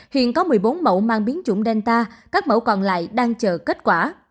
hiện có một mươi bốn mẫu mang biến chủng delta các mẫu còn lại đang chờ kết quả